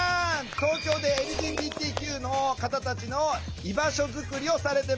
東京でＬＧＢＴＱの方たちの居場所作りをされてます。